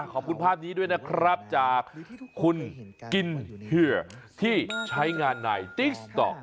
ขอบคุณภาพนี้ด้วยนะครับจากคุณกินเหือที่ใช้งานในติ๊กต๊อก